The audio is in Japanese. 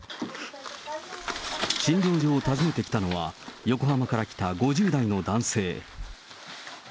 診療所を訪ねてきたのは、横浜から来た５０代の男性。